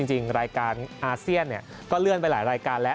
จริงรายการอาเซียนก็เลื่อนไปหลายรายการแล้ว